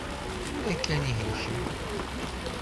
Tura kan i helkeɣ.